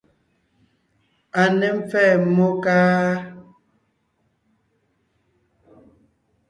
A ne mpfɛ́ɛ mmó, káá?